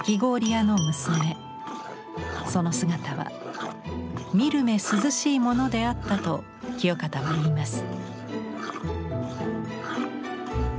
その姿は見るめ涼しいものであったと清方は言います。